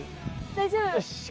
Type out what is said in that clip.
大丈夫。